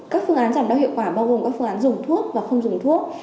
các phương án giảm đau hiệu quả bao gồm các phương án dùng thuốc và không dùng thuốc